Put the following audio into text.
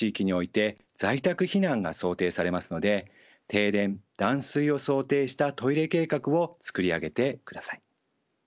在宅避難が想定されますので停電断水を想定したトイレ計画を作り上げてください。